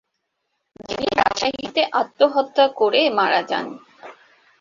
যিনি রাজশাহীতে আত্মহত্যা করে মারা যান।